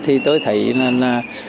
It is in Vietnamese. thì tôi thấy là